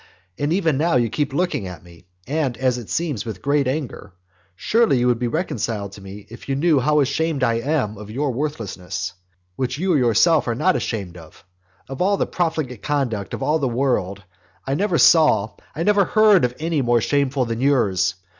And even now you keep looking at me; and, as it seems, with great anger. Surely you would be reconciled to me if you knew how ashamed I am of your worthlessness, which you yourself are not ashamed of. Of all the profligate conduct of all the world, I never saw, I never heard of any more shameful than yours.